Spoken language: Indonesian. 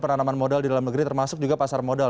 penanaman modal di dalam negeri termasuk juga pasar modal